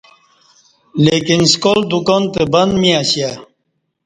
لیکن سکال دکان تہ بند می اسیہ